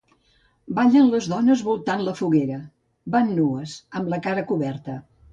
Ballen les dones voltant la foguera; van nues, amb la cara coberta.